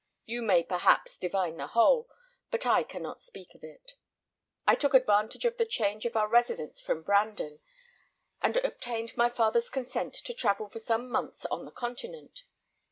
You may, perhaps, divine the whole, but I cannot speak of it. I took advantage of the change of our residence from Brandon, and obtained my father's consent to travel for some months on the continent.